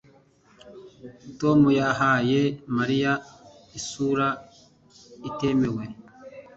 Tom yahaye Mariya isura itemewe